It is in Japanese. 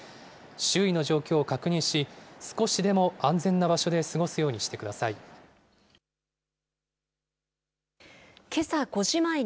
周囲の状況を確認し、少しでも安全な場所で過ごすようにしてください。